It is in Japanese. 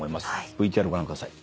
ＶＴＲご覧ください。